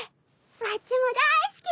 わっちも大好き！